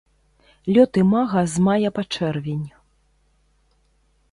Лёт імага з мая па чэрвень.